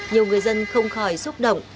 nhiều người dân không khỏi xúc động